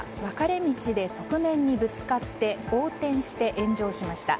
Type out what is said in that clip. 道で側面にぶつかって横転して炎上しました。